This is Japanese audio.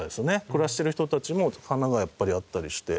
暮らしている人たちも花がやっぱりあったりして。